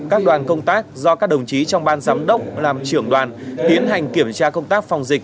các đoàn công tác do các đồng chí trong ban giám đốc làm trưởng đoàn tiến hành kiểm tra công tác phòng dịch